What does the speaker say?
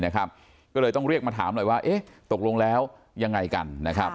ก็เลยต้องเรียกมาถามหน่อยว่าตกลงแล้วยังไงกันนะครับ